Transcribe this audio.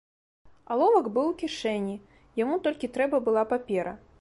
Аловак быў у кішэні, яму толькі трэба была папера.